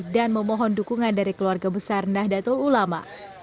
dan memohon dukungan dari keluarga besar nahdlatul ulama